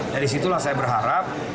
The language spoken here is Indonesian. dari situlah saya berharap